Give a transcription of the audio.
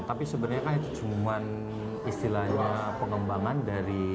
tapi sebenarnya kan itu cuma istilahnya pengembangan dari